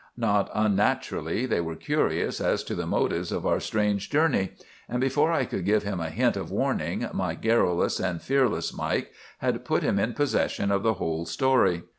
"Not unnaturally, they were curious as to the motives of our strange journey, and before I could give him a hint of warning, my garrulous and fearless Mike had put them in possession of the whole story.